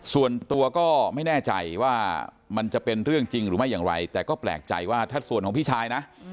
ส่วนตัวก็ไม่แน่ใจว่ามันจะเป็นเรื่องจริงหรือไม่อย่างไรแต่ก็แปลกใจว่าถ้าส่วนของพี่ชายนะ